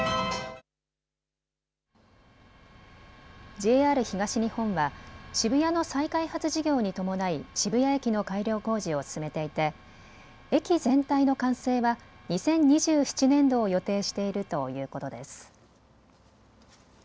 ＪＲ東日本は渋谷の再開発事業に伴い渋谷駅の改良工事を進めていて駅全体の完成は２０２７年度を予定しているということです。